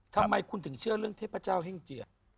ทำไมคุณถึงเชื่อเรื่องเทพเจ้าแห้งเจือ